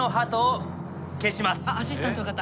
アシスタントの方。